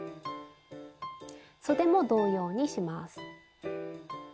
そでも同様にします。